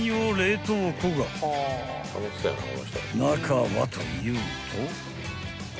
［中はというと］